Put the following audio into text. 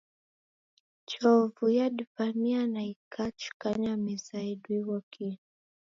Chovu yadivamia na ikachikanya meza yedu ighokie.